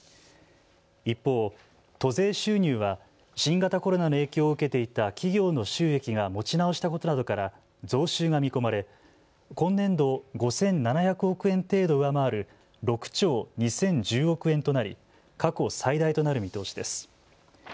一方、都税収入は新型コロナの影響を受けていた企業の収益が持ち直したことなどから増収が見込まれ今年度を５７００億円程度上回る、６兆２０１０億円となり過去最大となる見通しです。